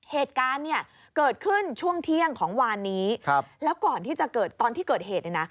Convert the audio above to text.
เหตุการณ์เนี่ยเกิดขึ้นช่วงเที่ยงของวานนี้แล้วก่อนที่จะเกิดตอนที่เกิดเหตุเนี่ยนะ